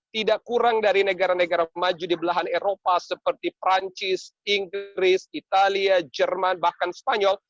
tidak kurang dari negara negara maju di belahan eropa seperti perancis inggris italia jerman bahkan spanyol